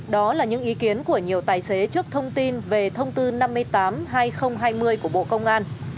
đó là những ý kiến của nhiều tài xế trước thông tin về thông tư năm mươi tám hai nghìn hai mươi của bộ công an